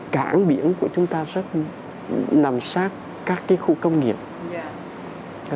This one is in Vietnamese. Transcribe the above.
cảng biển của chúng ta rất nằm sát các khu công nghiệp